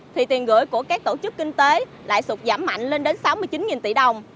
thì tiền gửi của các tổ chức kinh tế lại sụt giảm mạnh lên đến sáu mươi chín tỷ đồng